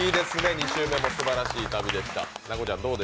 ２週目もすばらしい旅でした。